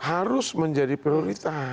harus menjadi prioritas